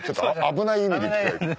危ない意味で。